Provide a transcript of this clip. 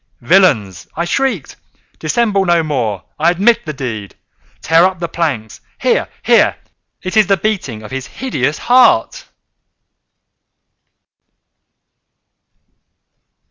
_ "Villains!" I shrieked, "dissemble no more! I admit the deed!—tear up the planks!—here, here!—It is the beating of his hideous heart!"